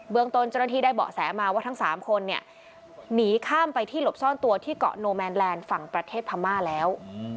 ตนเจ้าหน้าที่ได้เบาะแสมาว่าทั้ง๓คนเนี่ยหนีข้ามไปที่หลบซ่อนตัวที่เกาะโนแมนแลนด์ฝั่งประเทศพม่าแล้ว